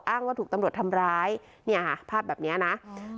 ว่าถูกตำรวจทำร้ายเนี่ยค่ะภาพแบบเนี้ยนะอืม